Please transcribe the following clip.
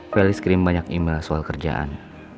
felis kirim banyak email soal kerjaan